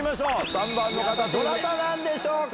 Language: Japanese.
３番の方どなたなんでしょうか？